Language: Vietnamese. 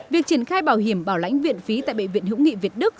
việc triển khai bảo hiểm bảo lãnh viện phí tại bệnh viện hữu nghị việt đức